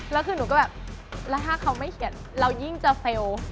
แล้วคือหนูก็แบบแล้วถ้าเขาไม่เขียนเรายิ่งจะเฟลล์